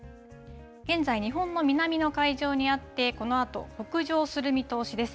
現在、日本の南の海上にあって、このあと北上する見通しです。